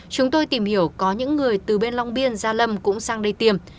chúng tôi tìm hiểu có những người từ bên long biên gia lâm cũng sang đây tìm